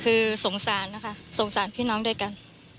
คือสงสารนะคะสงสารพี่น้องด้วยกัน